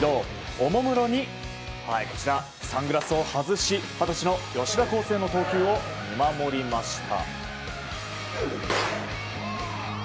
おもむろに、サングラスを外し二十歳の吉田輝星の投球を見守りました。